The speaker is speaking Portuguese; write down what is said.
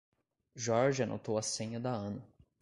Jorge anotou a senha da Ana.